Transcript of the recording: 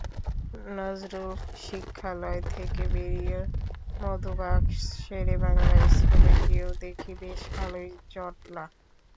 নজরুল শিক্ষালয় থেকে বেরিয়ে মধুবাগ শেরেবাংলা স্কুলে গিয়েও দেখি বেশ ভালোই জটলা।